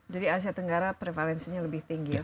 jadi asia tenggara prevalensinya lebih tinggi